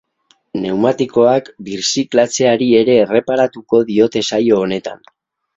Neumatikoak birziklatzeari ere erreparatuko diote saio honetan.